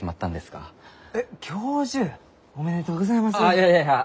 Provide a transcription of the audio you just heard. あいやいやいや。